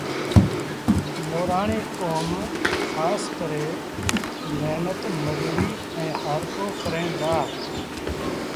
مورآڻيٚ ڪوم کآس ڪري مهنت مزوري ائيٚݩ هآرپو ڪريݩ دآ